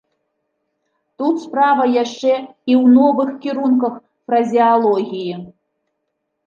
Тут справа яшчэ і ў новых кірунках фразеалогіі.